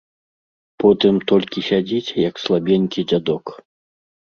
Потым толькі сядзіць, як слабенькі дзядок.